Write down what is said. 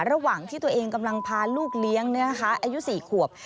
ระหว่างที่ตัวเองกำลังพาลูกเลี้ยงอายุ๔ขวบ